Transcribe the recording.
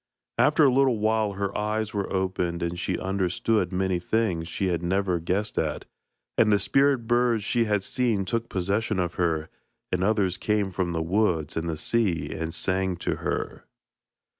After a little while her eyes were opened, and she understood many things she had never guessed at, and the spirit birds she had seen took possession of her, and others came from the woods and the sea, and sang to her.